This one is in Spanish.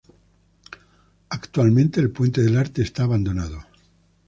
Actualmente el Puente del Arte está abandonado.